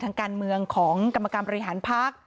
ทางการเมืองของกรรมการบริหารพัก